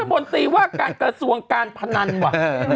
บนตรีว่าการกระทรวงการพนันว่ะ